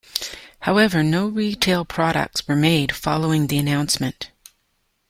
However, no retail products were made following the announcement.